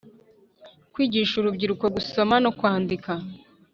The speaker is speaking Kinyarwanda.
kwigisha urubyiruko gusoma no kwandika